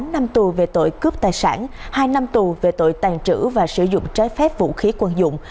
tám năm tù về tội cướp tài sản hai năm tù về tội tàn trữ và sử dụng trái phép vũ khí quân dụng